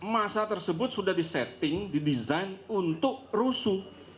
masa tersebut sudah di setting di design untuk rusuh